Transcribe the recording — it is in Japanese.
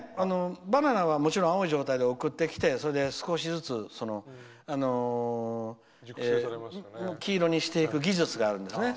バナナはもちろん青い状態で送ってきて少しずつ黄色にしていく技術があるんです。